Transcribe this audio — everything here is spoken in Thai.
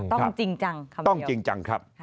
ต้องจริงจังคำเดียวต้องจริงจังครับ